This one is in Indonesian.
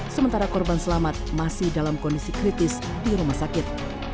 sementara korban selamat masih dalam kondisi kritis di rumah sakit